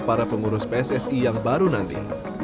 para pengurus pssi yang baru nanti